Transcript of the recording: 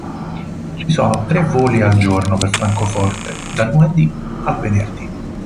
Ci sono tre voli al giorno per Francoforte, dal lunedì al venerdì.